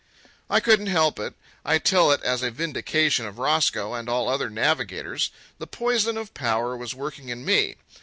I couldn't help it. I tell it as a vindication of Roscoe and all the other navigators. The poison of power was working in me.